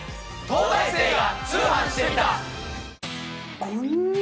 『東大生が通販してみた！！』。